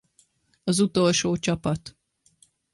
Az utolsó csapat.